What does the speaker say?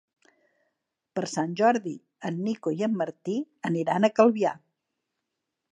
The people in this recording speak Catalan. Per Sant Jordi en Nico i en Martí aniran a Calvià.